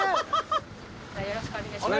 よろしくお願いします。